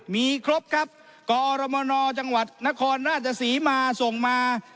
มีครบครับกอรมนจังหวัดนครราชศรีมาส่งมา